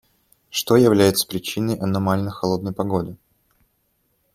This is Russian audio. Что является причиной аномально холодной погоды?